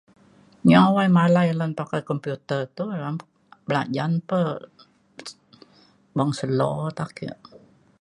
nyi awai malai lan pakai komputer toh belajen pah beng slow te ake